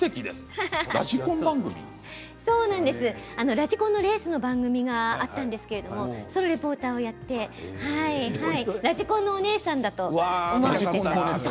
ラジコンのレースの番組だったんですけれどもそれのリポーターをやってラジコンのお姉さんだと思われていた。